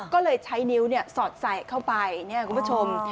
ก็เลยใช้นิ้วสอดใส่เข้าไปเนี่ยคุณผู้ชม